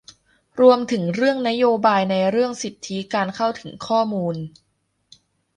รวมถึงเรื่องนโยบายในเรื่องสิทธิการเข้าถึงข้อมูล